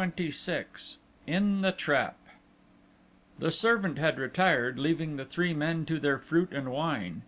XXVI IN THE TRAP The servant had retired, leaving the three men to their fruit and wine.